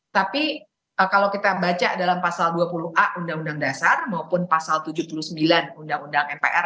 tapi kalau kita baca dalam pasal dua puluh a undang undang dasar maupun pasal tujuh puluh sembilan undang undang mpr